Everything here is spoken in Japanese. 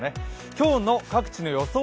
今日の各地の予想